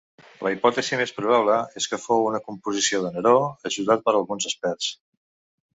La hipòtesi més probable és que fou una composició de Neró ajudat per alguns experts.